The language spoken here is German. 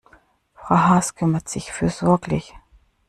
Frau Haas kümmert sich fürsorglich.